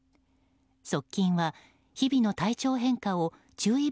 側近は日々の体調変化を注意